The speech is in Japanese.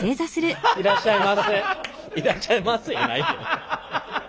「いらっしゃいませ」やない。